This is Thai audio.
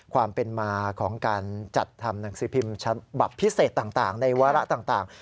ความเป็นมาของการจัดทำหนังสือพิมพ์ฉบับพิเศษต่างในวาระต่าง